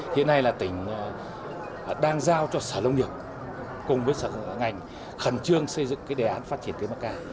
hiện nay là tỉnh đang giao cho sở lông nghiệp cùng với sở ngành khẩn trương xây dựng đề án phát triển cây mắc ca